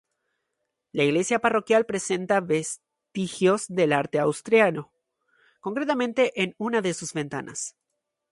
La iglesia parroquial presenta vestigios del arte asturiano, concretamente en una de sus ventanas.